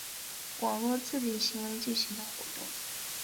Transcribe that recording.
网络自警行为进行的活动。